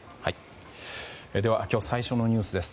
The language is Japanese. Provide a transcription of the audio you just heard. では今日最初のニュースです。